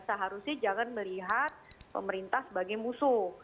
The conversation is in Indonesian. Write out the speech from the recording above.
seharusnya jangan melihat pemerintah sebagai musuh